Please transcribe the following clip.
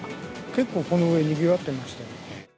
結構、この上、にぎわってましたよ。